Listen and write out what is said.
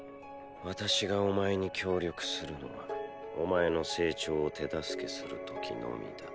私がお前に協力するのはお前の成長を手助けする時のみだ。